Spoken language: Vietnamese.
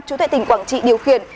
chú thệ tỉnh quảng trị điều khiển